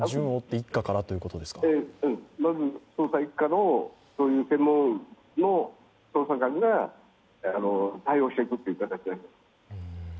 まず、捜査一課の専門の捜査官が対応していくという形です。